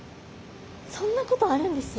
そんなことあるんです？